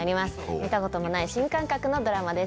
見たことのない新感覚のドラマです